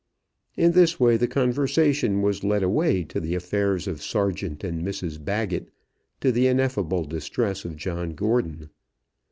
In this way the conversation was led away to the affairs of Sergeant and Mrs Baggett, to the ineffable distress of John Gordon.